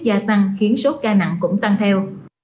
gia tăng khiến số ca nặng cũng tăng theo